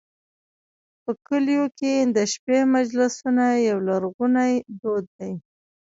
په کلیو کې د شپې مجلسونه یو لرغونی دود دی.